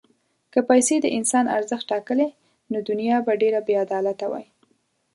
که پیسې د انسان ارزښت ټاکلی، نو دنیا به ډېره بېعدالته وای.